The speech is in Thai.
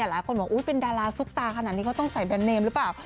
หลายคนบอกเป็นดาราก์สุ๊บตาขนาดนี้ก็ต้องใส่แบนเนธร์เล่นหรือเปล่า